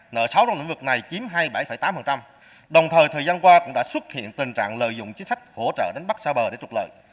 nợ sáu trong lĩnh vực này chiếm hai mươi bảy tám đồng thời thời gian qua cũng đã xuất hiện tình trạng lợi dụng chính sách hỗ trợ đánh bắt xa bờ để trục lợi